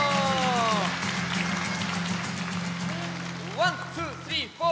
ワンツースリーフォー。